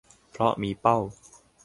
เพราะมีเป้า